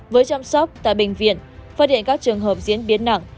với chăm sóc tại bệnh viện phát hiện các trường hợp diễn biến nặng